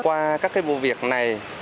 qua các cái vụ việc này